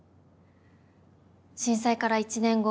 震災から１年後。